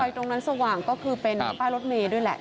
ตรงนั้นสว่างก็คือเป็นป้ายรถเมย์ด้วยแหละ